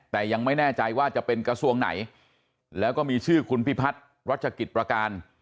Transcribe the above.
แต่ยังไม่แน่ใจว่าจะเป็นกระทรวงไหนแล้วก็มีชื่อคุณพิพัฒน์รัชกิจประการ